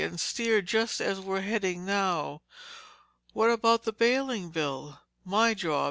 "And steer just as we're heading now." "What about the bailing, Bill?" "My job.